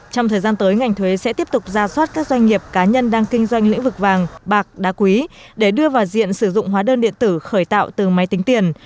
trong thời gian tới ngành thuế sẽ tiếp tục ra soát các doanh nghiệp cá nhân đang kinh doanh lĩnh vực vàng bạc đá quý để đưa vào diện sử dụng hóa đơn điện tử khởi tạo từ máy tính tiền